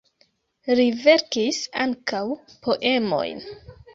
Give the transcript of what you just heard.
Li verkis ankaŭ poemojn.